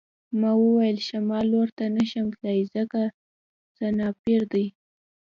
ما وویل شمال لور ته نشم تللی ځکه سنایپر دی